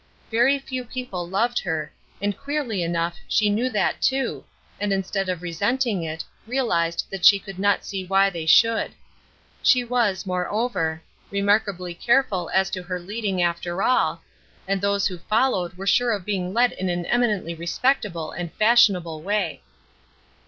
Very few people loved her, and queerly enough she knew that too, and instead of resenting it realized that she could not see why they should. She was, moreover, remarkably careful as to her leading after all, and those who followed were sure of being led in an eminently respectable and fashionable way.